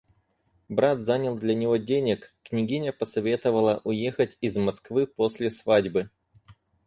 Брат занял для него денег, княгиня посоветовала уехать из Москвы после свадьбы.